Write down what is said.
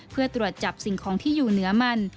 เพื่อตรวจจับสิ่งของที่อยู่เหนือมัน